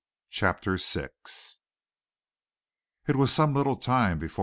CHAPTER VI It was some little time before M.